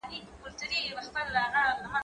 زه د تکړښت لپاره تللي دي،